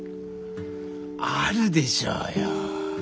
あるでしょうよ。